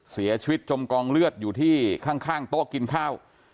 เสียชีวิตจมกองเลือดอยู่ที่ข้างโต๊ะกินข้าว